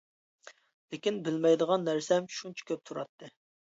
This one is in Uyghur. لېكىن بىلمەيدىغان نەرسەم شۇنچە كۆپ تۇراتتى.